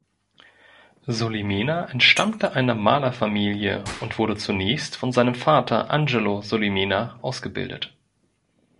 Solimena entstammte einer Malerfamilie und wurde zunächst von seinem Vater Angelo Solimena ausgebildet.